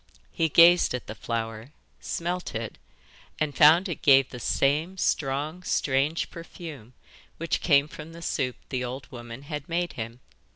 He gazed at the flower, smelt it, and found it gave the same strong strange perfume which came from the soup the old woman had made him.